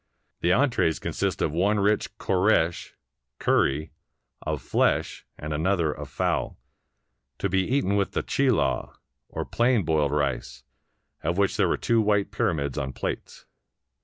The entrees consist of one rich khoresh (curry) of flesh and another of fowl, to be eaten with the chilaw, or plain boiled rice, of which there were two white pyramids on plates.